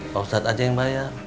pak ustadz aja yang bayar